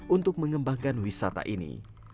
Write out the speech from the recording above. untuk mengembangkan wisata ini